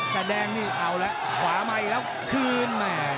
แต่แดงนี่เอาแล้วขวามาอีกแล้วคืน